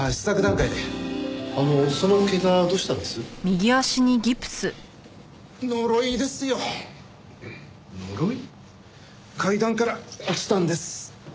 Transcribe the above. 階段から落ちたんです。